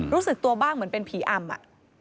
รู้สึกตัวบ้างเหมือนเป็นผีอำอ่ะ